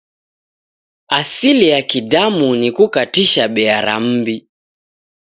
Asili ya Kidamu ni kukatisha bea ra m'mbi.